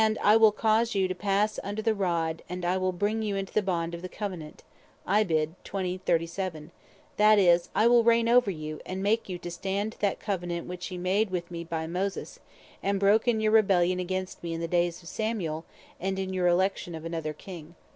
I will cause you to passe under the rod, and I will bring you into the bond of the Covenant;" that is, I will reign over you, and make you to stand to that Covenant which you made with me by Moses, and brake in your rebellion against me in the days of Samuel, and in your election of another King.